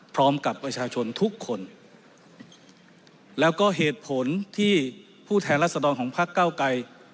พร้อมกับประชาชนทุกคนแล้วก็เหตุผลที่ผู้แทนรัศดรของพักเก้าไกร